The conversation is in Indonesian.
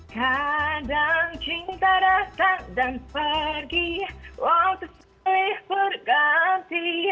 kadang cinta datang dan pergi waktu selalu berganti